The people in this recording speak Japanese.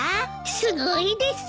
すごいです。